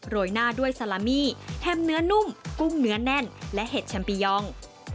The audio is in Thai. ยหน้าด้วยซาลามี่แถมเนื้อนุ่มกุ้งเนื้อแน่นและเห็ดแชมปิยอง